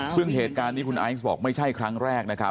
ซึ่งเหตุการณ์นี้คุณไอซ์บอกไม่ใช่ครั้งแรกนะครับ